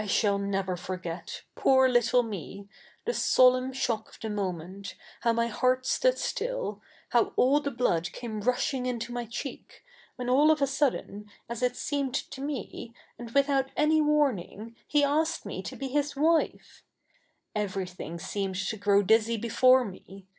/ shall never forget — poor little ?ne !— the solefun p 3 228 THE NEW REPUBLIC [bk. iv shock of the momejit^ how my heart stood stilly how all the blood came rushing into my cheeky ivhen all of a sudden^ as it seemed to me, and ivithout any ivarning, he asked me to be his wife. Eve?y thing seemed to grow dizzy before me.